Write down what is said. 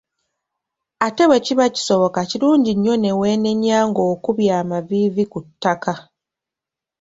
Ate bwe kiba kisoboka, kirungi nnyo ne weenenya ng'okubye amaviivi ku ttaka.